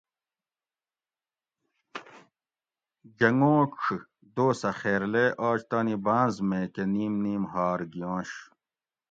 جنگوڄ دوسہ خیرلے آج تانی بانز مے کہ نیم نیم ھار گیونش